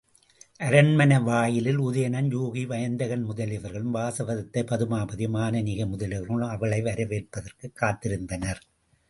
அரண்மனை வாயிலில் உதயணன், யூகி, வயந்தகன் முதலியவர்களும் வாசவதத்தை, பதுமாபதி, மானனீகை முதலியவர்களும் அவளை வரவேற்பதற்குக் காத்திருந்தனர்.